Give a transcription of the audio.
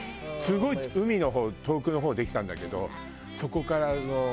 すごい海の方遠くの方できたんだけどそこから。